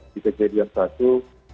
di kejadian satu